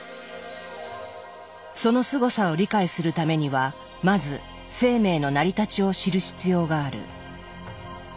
そのすごさを理解するためにはまず生命の成り立ちを知る必要がある。